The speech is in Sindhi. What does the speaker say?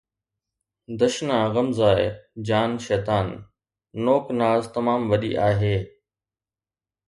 ”دشنا غمزه جان شيطان“ نوڪ ناز تمام وڏي آهي